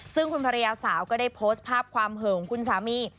ซึ่งคุณภรรยาสาวก็ได้โพสต์ภาพความเหิงคุณสามี